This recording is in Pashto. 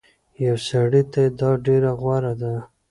يو سړي ته دا ډير غوره ده